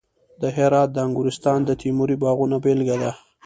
د هرات د انګورستان د تیموري باغونو بېلګه ده